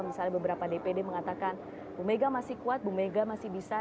misalnya beberapa dpd mengatakan bumega masih kuat bumega masih bisa